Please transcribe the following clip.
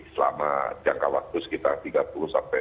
selama jangka waktu sekitar tiga puluh sampai enam puluh